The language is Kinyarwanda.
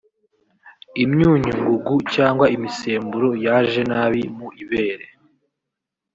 imyunyu ngugu cyangwa imisemburo yaje nabi mu ibere